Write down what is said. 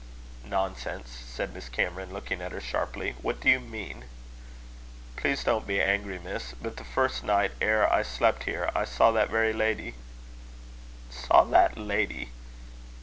"Nonsense!" said Miss Cameron, looking at her sharply. "What do you mean?" "Please, don't be angry, Miss; but the first night e'er I slept here, I saw that very lady " "Saw that lady!"